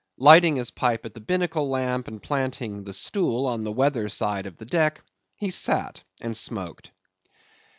Lighting the pipe at the binnacle lamp and planting the stool on the weather side of the deck, he sat and smoked.